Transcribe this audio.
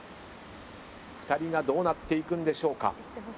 ２人がどうなっていくんでしょうか？